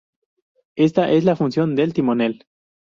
Esta es la función del timonel.